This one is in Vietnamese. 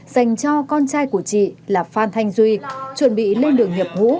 dành cho con trai của chị là phan thanh duy chuẩn bị lên đường nhập ngũ